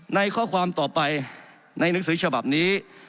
ในข้อความต่อไปในหนังสือฉบับนี้